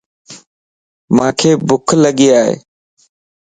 مانک بُکَ لڳي ائي